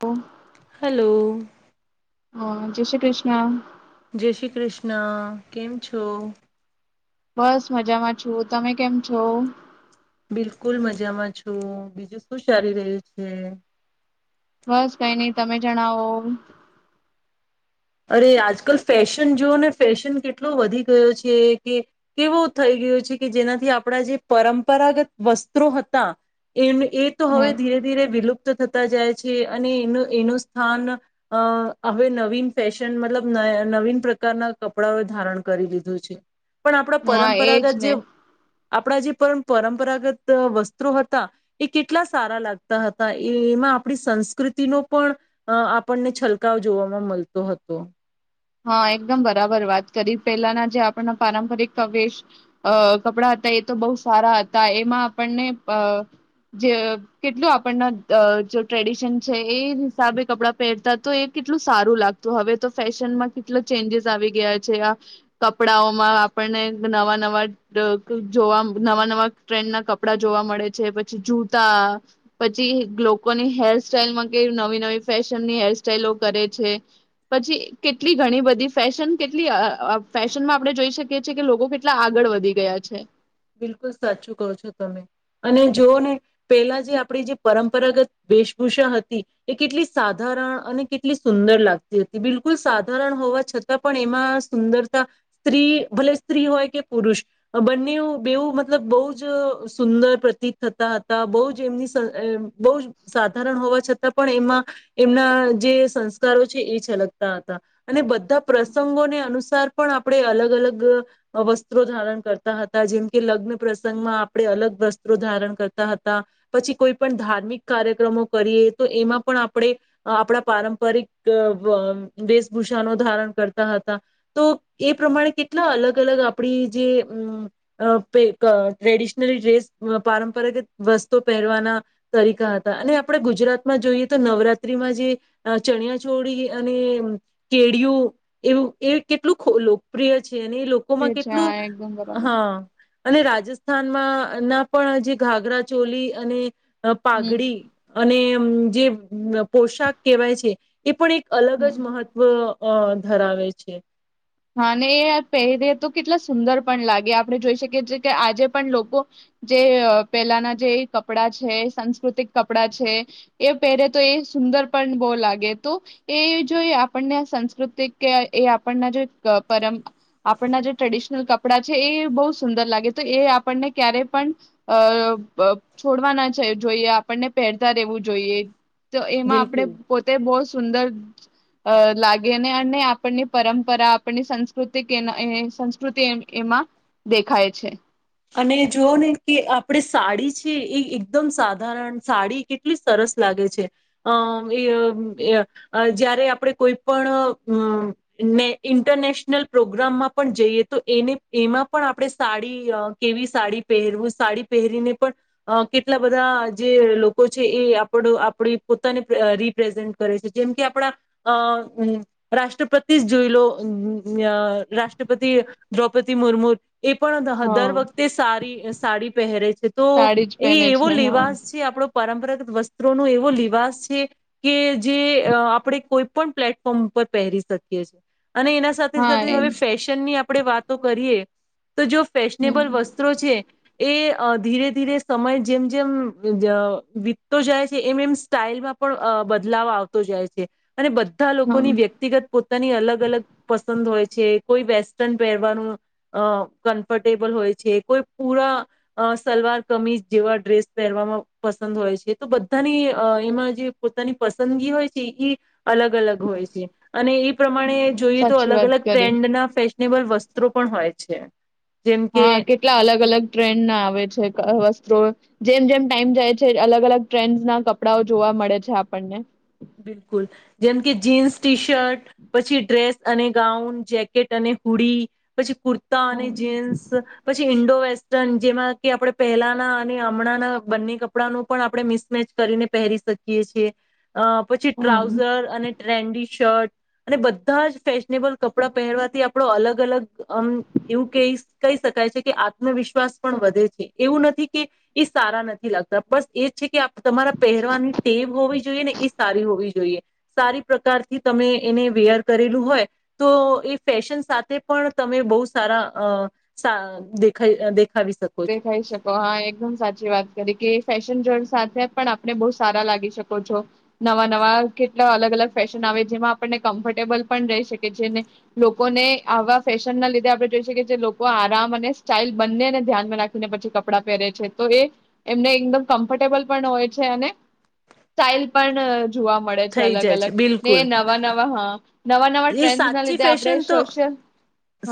ઓમ. Hello. હા, જય શ્રી કૃષ્ણ. જય શ્રી કૃષ્ણ, કેમ છો? બસ મજામાં છું, તમે કેમ છો? બિલકુલ મજામાં છું. બીજું શું ચાલી રહ્યું છે? બસ કઈ નઈ તમે જણાવો. અરે આજકાલ ફેશન જોઓ ને ફેશન કેટલું વધી ગયો છે કે કેવો થઈ ગયો છે કે જેનાથી આપણા જે પરંપરાગત વસ્ત્રો હતા એ એ તો હવે હમ ધીરે ધીરે વિલુપ્ત થત તા જાય છે અને એનું-એનું સ્થાન અહ હવે નવીન ફેશન મતલબ ન અહ નવીન પ્રકારના કપડાઓ એ ધારણ કરી લીધું છે. પણ આપણા હા એજ પરંપરાગત ને જેવ આપણા જે પરંપરાગત વસ્ત્રો હતા એ કેટલા સારા લાગતા હતા એમાં આપણી સંસ્કૃતિનો પણ આપણને છલકાવ જોવામાં મલ તો હતો. હા એકદમ બરાબર વાત કરી પહેલાના જે આપણના પારંપરિક કવેશ અ કપડા હતા એ તો બહુ સારા હતા એમાં આપણને પ જે કેટલું આપણન અ જ ટ્રેડિશન છે એ હિસાબે કપડાં પહેરતા તો એ કેટલું સારું લાગતું હવે તો ફેશનમાં કેટલા ચેન્જસ આવી ગયા છે આ કપડાઓમાં આપણને નવા-નવા અ ડ જોવા નવા-નવા ટ્રેન્ડ ના કપડા જોવા મળે છે પછી જૂતા પછી લોકોની હેરસ્ટાઈલમાં કે નવી-નવી ફેશનની હેરસ્ટાઈલો કરે છે પછી કે કેટલી ઘણી બધી ફેશન કેટલી અ ફેશનમાં આપણે જોઈ શકીએ છીએ કે લોકો કેટલા આગળ વધી ગયા છે. બિલકુલ સાચું કહો છો તમે અને જોઓ ને પેલા જે આપણી જે પરંપરાગત વેશભૂષા હતી એ કેટલી સાધારણ અને કેટલી સુંદર લાગતી હતી બિલકુલ સાધારણ હોવા છતાં પણ એમાં સુંદરતા સ્ત્રી ભલે સ્ત્રી હોય કે પુરુષ બંનેવ બેવું મતલબ બહુ જ સુંદર પ્રતીત થતા હતા બહુ જ એમની સ બહ જ સાધારણ હોવા છતાં પણ એમાં એમના જે સંસ્કારો છે એ છલકતા હતા. અને ધા પ્રસંગોને અનુસાર પણ આપણે અલગ-અલગ વસ્ત્રો ધારણ કરતા હતા જેમ કે લગ્ન પ્રસંગમાં આપણે અલગ વસ્ત્રો ધારણ કરતા હતા પછી કોઈ પણ ધાર્મિક કાર્યક્રમો કરીએ તો એમાં પણ આપણે આપણા પારંપરિક અમ્મ વ વેશભૂષાનો ધારણ કરતા હતા તો એ પ્રમાણે કેટલા અલગ-અલગ આપણી જે અમ્મ અ પે ક ટ્રેડિશનલી ડ્રેસ અ પારંપરાગત વસ્તો પહેરવાના તરીકા હતા અને આપણે ગુજરાતમાં જોઈએ તો નવરાત્રીમાં જે અ ચણિયાચોળી અને કેળિયું એ એવું એ કેટલું લોકપ્રિય છે અને એ લોકોમાં છે કેટલું હા એકદમ બરાબર હા અને રાજસ્થાનમાં ના પણ જે ઘાઘરા ચોલી અને અ હમ પાઘડી અને હ જે પોશાક કહેવાય છે એ પણ એક અલગ હમ જ મહત્વ અ ધરાવે છે. હા ને એ પહેરીએ તો કેટલા સુંદર પણ લાગે આપણે જોઈ શકીએ છીએ કે આજે પણ લોકો જે અ પહેલાના જે કપડાં છે સાંસ્કૃતિક કપડાં છે એ પહેરે તો એ સુંદર પણ બહુ લાગે તો એ જો આપણને સાસ્કૃતિક કે એ આપણનો જે ક પરં આપણના જે ટ્રેડિશનલ કપડાં છે એ બહુ સુંદર લાગે તો એ આપણને ક્યારેય પણ અ પ અ છોડવા ના જોઈએ આપણને પહેરતા રહેેવું જોઈએ. તો એમાં આપડે બિલકુલ પોતે બો સુંદર અ લાગેને અને આપણની પરંપરા આપની સંસ્કૃતિ કે એના એ-એ સંસ્કૃતિ એ એમાં દેખાય છે. અને જોઓ ને કે આપણે સાડી છે એ એકદમ સાધારણ સાડી કેટલી સરસ લાગે છે અ એ-એ અ જ્યા [unintelligible] આપણે કોઈ પણ અમ ને ઇન્ટરનેશનલ પ્રોગ્રામમાં પણ જઈએ તો એની એમાં પણ આપણે સાડી અ કેવી સાડી પહેરવું સાડી પહેરીને પણ અ કેટલા બધા જે લોકો છે એ આપડ આપડી પોતાને અ રિપ્રેઝેન્ટ કરે છે જેમ કે આપણા અ અમ રાષ્ટ્રપતિજ જોઈ લો અ અમ રાષ્ટ્રપતિ દ્રૌપદી મુર્મુ એ પણ દહ હા દર વખ તે સારી સાડી પહેરે છે તો સાડી જ એ પહેને એવો છે હા લેવાસ છે આપણો પરંપરાગત વસ્ત્રો નો એવો લિવાસ છે કે જે અ આપણેે કોઈ પણ પ્લેટફોર્મ ઉપર પહેરી શકીએ છીએ. અને એના હા સાથે-સાથે એ હવે ફેશનની આપણેે વાતો કરીએ તો જો હમ ફેશનેબલ વસ્ છે એ અ ધીરે-ધીરે સમય જેમ-જેમ અમ્મ જ વીતતો જાય છે એમ એમ સ્ટાઈલમાં પણ અ બદલાવ આવતો જાય છે. અને બધા લોકોની વ્યક્તિગત પોતાની અલગ-અલગ પસંદ હોય છે કોઈ વેસ્ટર્ન પહેરવાનું અ કન્ફર્ટેબલ હોય છે. કોઈ પૂરા અ સલવાર કમીજ જેવા ડ્રેસ પહેરવામાં પસંદ હોય છે તો બધાની અ એમાં જે પોતાની પસંદગી હોય છે ઈ અલગ-અલગ હોય છે. અને એ પ્રમાણે હા જોઈએ તો સાચી વાત અલગ-અલગ કરી ટ્રેન્ડના ફેશનેબલ વસ્ત્રો પણ હોય. છે. જેમ કે હા કેટલા અલગ-અલગ ટ્રેન્ડ ના આવે છે ક વસ્ત્રો જેમ-જેમ ટાઈમ જાય છે અલગ-અલગ ટ્રેન્ડસના કપડાઓ જોવા મળે છે આપણને. બિલકુલ, જેમ કે જીન્સ ટી શર્ટ પછી ડ્રેસ અને ગાઉન, જેકેટ અને હુડી પછી કુર્તા અને હમ જીન્સ પછી ઇન્ડોવ વેસ્ટન જેમાં કે આપણે પહેલાના અને હમણાંના બંને કપડા નું પણ આપણે મિસમેચ કરીને પહેરી શકીએ છીએ. અ પછી હમ ટ્રાઉઝર અને ટ્રેન્ડી શર્ટ અને બધાજ ફેશનેબલ કપડા પહેરવાથી આપડો અલગ અલગ અમ એવું કેઈ કઈ શકાય છે કે આત્મવિશ્વાસ પણ વધે છે, એવું નથી કે એ સારા નથી લાગતા બસ એજ છે કે આ તમારા પહેરવાની ટેવ હોવી જોઈએ ને [unintelligible] હોવી જોઈએ સારી પ્રકારથી તમે એને વેયર કરેલું હોય તો એ ફેશન સાથે પણ તમે બહુ સારા અ સા દેખાઈ અ દે દેખાઈ શકો હા એકદમ સાચી વાત કેદકે ફેશનજળ સાથે પણ આપણે બહુ સારા લાગી શકો છો, નવા નવા કેટલા અલગ અલગ ફેશન આવે જેમાં આપણને કમ્ફર્ટેબલ પણ રહી શકે છે, ને લોકોને આવા ફેશન ના લીધે આપણે જોઈ શકીએ છે, લોકો આરામ અને સ્ટાઇલ બંનેને ધ્યાન [unintelligible] નાખીને પછી કપડા પહેરે છે તોએ એમને એકદમ કમ્ફર્ટેબલ પણ હોય છે અને સ્ટાઇલ પણ જોવા મળે છે, થઈ અલગ જાય છે અલગ ને બિલકુલ નવા નવા હા. નવા નવા એ ટ્રેન્ડસ ના સાચી લીધે આપણે ફેશન તો સોશિયલ હ.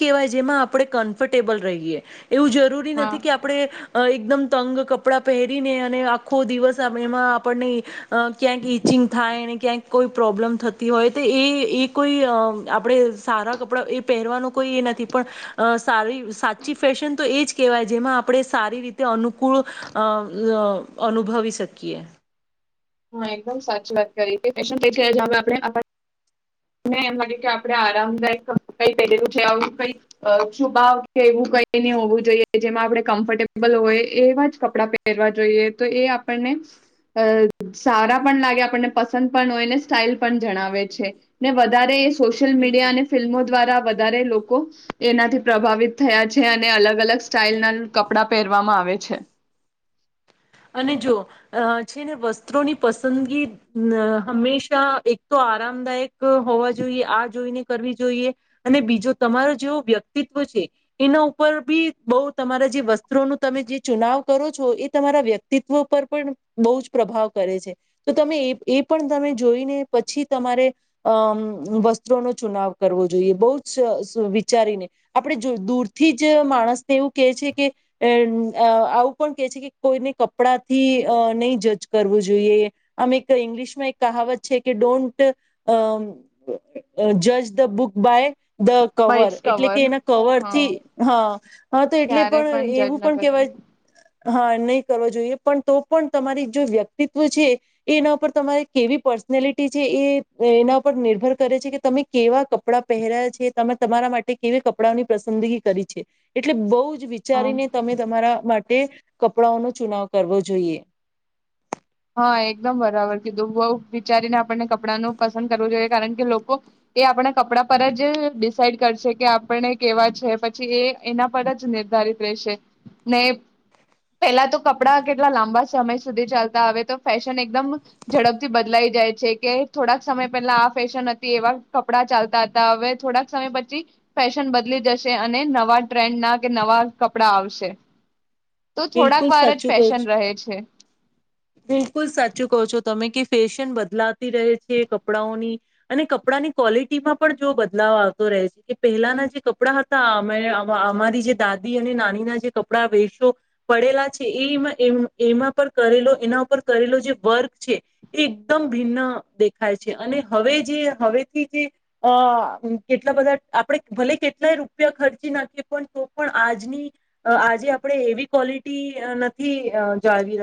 કેવાય જેમાં આપડે કમ્ફર્ટેબલ રહીએ. એવું જરૂરી હા નથી કે આપડે [unintelligible] અ એકદમ તંગ કપડાં પહેરીને અને આખો દિવસ આમેમાં આપણને અ ક્યાંક ઈચિંગ થાય અને ક્યાંક કોઈ પ્રોબ્લેમ થત હોય તો એ એ કોઈ આપણે સારા કપડા એ પહેરવાનો કોઈ એ નથી પણ સારી સાચી ફેશન તો એ જ કહેવાય જેમાં આપણે સારી રીતે અનુકૂળ અ અ અનુભવી શકીએ. હા એકદમ સાચી વાત કરી [inaudible] એમ લાગે કે આપણે આરામદાયક કઈ પહેરેલું છે આવું કઈક શુભાવ કે એવું કઈ હોવું જોઈએ જેમાં આપણે કમ્ફર્ટેબલ હોય એવા જ કપડા પહેરવા જોઈએ તો એ આપણને અ સારા પણ લાગે આપણને પસંદ પણ હોય ને સ્ટાઈલ પણ જણાવે છે. ને વધારે જ સોશિયલ બિલકુલ મીડિયા અને ફિલ્મો દ્વારા વધારે લોક [unintelligible] કો એનાથી પ્રભાવિત થયા છે, અને અલગ અલગ સ્ટાઈલ ના કપડા પહેરવામાં આવે છે. અને જો અ છે ને વસ્ત્રોની પસંદગી હંમેશા એક તો આરામદાયક હોવા જોઈએ આ જોઈને કરવી જોઈએ અને બીજો તમારો જેવો વ્યક્તિત્વ છે એના ઉપર બી બઉ તમારા જે વસ્ત્રો ન તમે જે ચુનાવ કરો છો એ તમારા વ્ય કિતત્વ પર પણ બહુ જ પ્રભાવ કરે છે તો તમે એ એ પણ તમે જોઈને પછી તમારે અમ વસ્ત્રોનો ચુનાવ કરવો જોઈએ બહુ જ વિચારીને આપણે જો દૂરથી જ માણસને એવું કે છે કે અ આવું પણ કેહે છે કે કોઈને કપડા થી નહીં જજ કરવું જોઈએ આમ એક ઇંગ્લિશમાં એક કહાવત છે કે ડોન્ટ જજ the book by the cover એટલે કે એના કવર હા થી હ હા તો એટલે ક્યારે પણ જજ એવું ન પણ કરવું કેહેવાય હા નઈ કરવા જોઈએ પણ તો પણ તમારી જો વ્યક્તિત્વ છે એ એના પર તમારી કેવી પર્સનેલિટી છે એ એના પર નિર્ભર કરે છે કે તમે કેવા કપડા પહેર્યા છે તમે તમારા માટે કેવી કપડાની પસંદગી કરી છે એટલે બઉ જ હા વિચારીને તમે તમારા માટે કપડાઓનું ચુનાવ કરવો જોઈએ. હા એકદમ બરાબર કીધું બઉ ખરાબ વિચારીને આપણને કપડાંનું પસંદ કરવું જોઈએ કારણ કે લોકો એ આપણા કપડા પર જ ડિસાઈડ કરશે કે આપણે કેવા છે પછી એ એના પર જ નિર્ધારિત રહેેશે ને પેલા તો કપડા કેટલા લાંબા સમય સુધી ચાલતા હવે તો ફેશન એકદમ ઝડપથી બદલાઈ જાય છે કે થોડાક સમય પહેલા આ ફેશન હતી એવા કપડા ચાલતા હતા હવે થોડાક સમય પછી ફેશન બદલી જશે અને નવા ટ્રેન્ડ ના કે નવા કપડા આવશે. તો થોડાક બિલકુલ વાર જ સાચું કહો છો ફેશન રહે છે. બિલકુલ સાચું કહો છો તમે કે ફેશન બદલાતી રહે છે કપડાઓની અને કપડાંની ક્વોલિટીમાં પણ જો બદલાવ આવતો રહે છે કે પહેલાના જે કપડાં હતા અમે અમારી જે દાદી અને નાનીના જે કપડાં વેેશો. પડેલા છે એમાં એમાં પર કરેલો એના ઉપર કરેલો જે વર્ક છે એ એકદમ ભિન્ન દેખાય છે અને હવે જે હવેથી જે અ કેટલા બધા આપણે ભલે કેટલાય રૂપિયા ખર્ચી નાખીએ પણ તો પણ આજની આજે આપણે એવી ક્વોલિટી અહ નથી અહ જાળવી [unintelligible]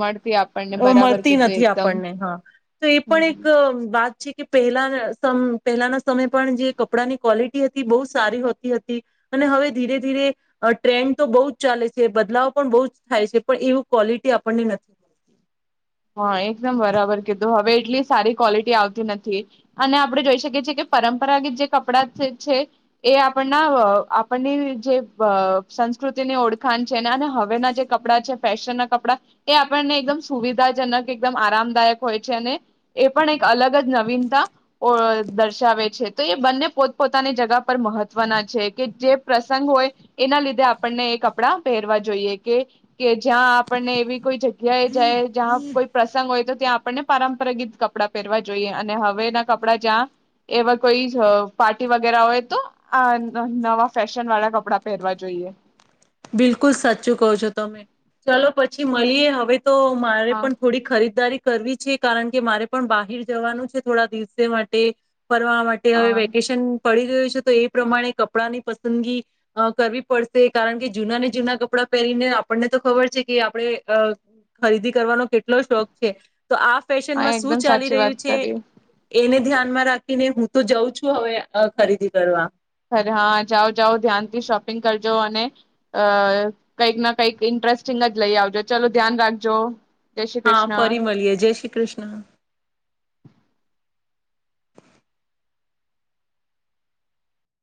મળતી આપણને બરાબર મળતી કીધું નથી એકદમ આપણને હા. તો એ પણ એક હા વાત છે. કે પહેલા સમ પહેલાના સમય પણ જે કપડાંની ક્વોલિટી હતી બહુ સારી હોતી હતી અને હવે ધીરે ધીરે ટ્રેન્ડ તો બહુ જ ચાલે છે બદલાવ પણ બહુ જ થાય છે, પણ એવું ક્વોલિટી આપણને નથી હા એકદમ બરાબર કીધું. હવે એટલી સારી ક્વોલિટી આવતી નથી, અને આપણે જોઈ શકીએ છી કે પરંપરાગત જે કપડા છ છે એ આપણના અહ આપણની જે અહ સંસ્કૃતિની ઓળખાણ છે અને હવેના જે કપડાં છે ફેશન ના કપડાં એ આપણને એકદમ સુવિ ધાજનક એકદમ આરામદાયક હોય છે, અને એ પણ એક અલગ જ નવીનતા ઓર દર્શાવે છે તો એ બંને પોતપોતાની જગા પર મહત્વના છે, કે જે પ્રસંગ હોય એના લીધે આપણને એ કપડાં પહેરવા જોઈએ, કે કે જ્યાં આપણને એવી કોઈ જગ્યાએ જાય જહા કોઈ પ્રસંગ હોય તો ત્યાં આપણને પારંપરાગીત કપડાં પહેરવા જોઈએ અને હવે ના કપડા જ્યાં એવા કોઈ જ પાર્ટી વગેરે હોય તો આ અહ નવા ફેશન વાળા કપડા પહેરવા જોઈએ. બિલકુલ સાચું કહો છો તમે, ચલો પછી મળીએ હવે. તો મારે હા પણ થોડી ખરીદારી કરવી છે કારણ કે મારે પણ બહાઈર જવાનું છે થોડા દિવસે માટે. ફરવા માટે હવે હા વેકેશન પડી ગયું છે તો એ પ્રમાણે કપડા ની પસંદગી અહ કરવી પડશે કારણ કે જૂના ને જૂના કપડા પહેરીને આપણને તો ખબર છે કે એ આપણે ખરીદી કરવાનો કેટલો શોખ છે. તો આ હા ફેશનમાં શું એકદમ ચાલી સાચી રહ્યું વાત છે કરી એને ધ્યાનમાં રાખીને હું તો જાઉં છું હવે અહ ખરીદી કરવા. અરે હા જાઓ-જાઓ ધ્યાનથી શોપિંગ કરજો અને અહ કંઈક ના કંઈક ઇન્ટરસ્ટિંગ જ લઈ આવજો, ચલો ધ્યાન રાખજો. જય શ્રી હા કૃષ્ણ ફરી મળીએ જય શ્રી કૃષ્ણ.